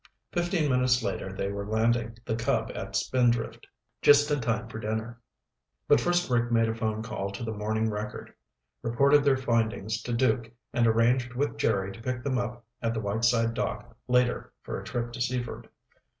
Fifteen minutes later they were landing the Cub at Spindrift, just in time for dinner. But first Rick made a phone call to the Morning Record, reported their findings to Duke and arranged with Jerry to pick them up at the Whiteside dock later for a trip to Seaford.